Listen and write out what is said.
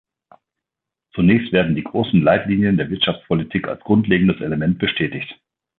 Zunächst werden die großen Leitlinien der Wirtschaftspolitik als grundlegendes Element bestätigt.